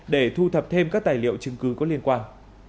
để thu thập thêm các tài liệu chứng cứ có liên quan